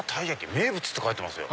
名物って書いてますよ。